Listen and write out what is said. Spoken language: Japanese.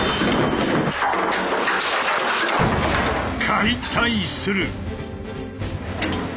解体する！